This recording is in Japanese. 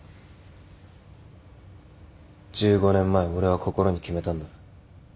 １５年前俺は心に決めたんだ。